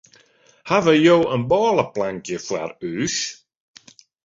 Hawwe jo in bôleplankje foar ús?